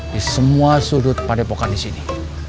di semua sudut padepokan di sini